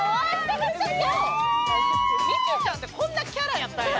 みくちゃんってこんなキャラやったんや！